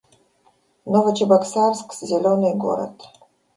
Новочебоксарск — зелёный город